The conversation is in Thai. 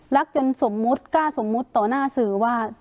จนสมมุติกล้าสมมุติต่อหน้าสื่อว่า